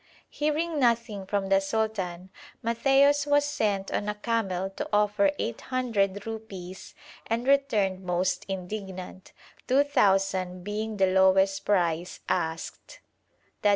Hearing nothing from the sultan, Matthaios was sent on a camel to offer 800 rupees, and returned most indignant, 2,000 being the lowest price asked, _i.